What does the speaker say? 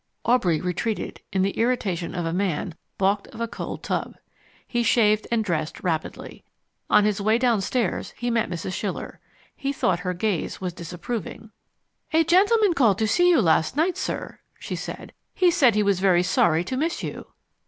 Aubrey retreated in the irritation of a man baulked of a cold tub. He shaved and dressed rapidly. On his way downstairs he met Mrs. Schiller. He thought that her gaze was disapproving. "A gentleman called to see you last night, sir," she said. "He said he was very sorry to miss you."